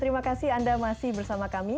terima kasih anda masih bersama kami